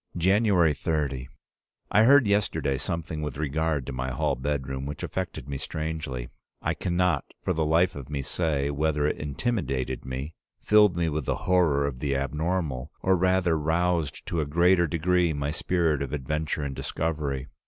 "January 30. I heard yesterday something with regard to my hall bedroom which affected me strangely. I can not for the life of me say whether it intimidated me, filled me with the horror of the abnormal, or rather roused to a greater degree my spirit of adventure and discovery.